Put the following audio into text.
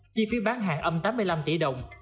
chi phí bán hàng âm tám mươi năm tỷ đồng